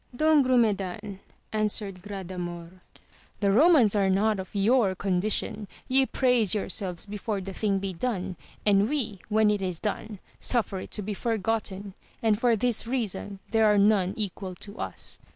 Don Grumes dan, answered Gradamor, The Eomans are not of your condition ! ye praise yourselves before the thing be done, and we, when it is done, suffer it to be forgotten, and for this reason there are none equal to us.